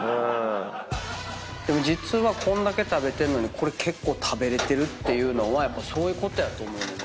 でも実はこんだけ食べてんのにこれ結構食べられてるのはやっぱそういうことやと思う。